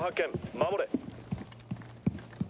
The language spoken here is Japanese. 守れ。